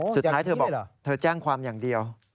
สุดท้ายเธอบอกเธอแจ้งความอย่างเดียว